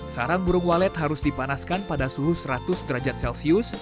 sarang burung walet harus dipanaskan pada suhu seratus derajat celcius